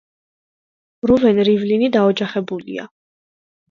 რუვენ რივლინი დაოჯახებულია.